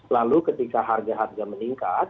lalu ketika harga harga meningkat